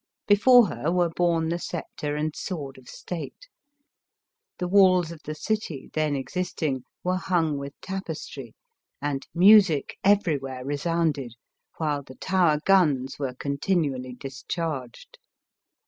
Before her were borne the sceptre and sword of state. The walls of the city, then existing, were hung with tapestry, and music every where resounded, while the Tower guns were continu ally discharged.